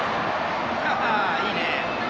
いいね！